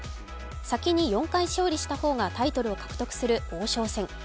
先に４回勝利した方がタイトルを獲得する王将戦。